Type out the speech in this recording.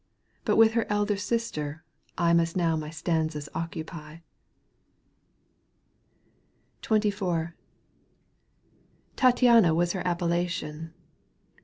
But with her elder sister I / Must now my stanzas occu^T^ ./ XXIV. Tattiana was her appellation.